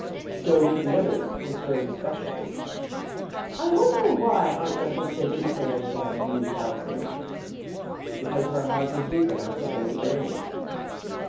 "So would the others, Miss Rose especially." "I wonder why Aunt Francesca didn't marry again," mused Allison. "Because her heart is deep enough to hold a grave."